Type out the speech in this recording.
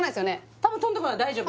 多分飛んでこない大丈夫